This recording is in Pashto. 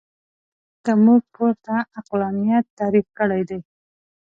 ځکه موږ پورته عقلانیت تعریف کړی دی.